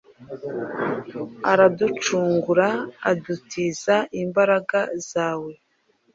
uraducungura, udutiza imbaraga zawe